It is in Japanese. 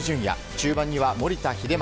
中盤には守田英正